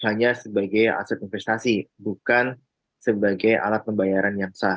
hanya sebagai aset investasi bukan sebagai alat pembayaran yang sah